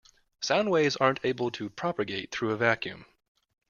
Sound waves aren't able to propagate through a vacuum.